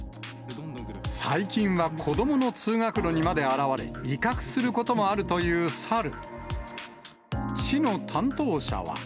最近は子どもの通学路にまで現れ、威嚇することもあるというサル。